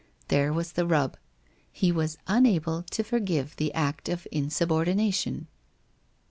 There was the rub. He was unable to forgive the net of insubordination.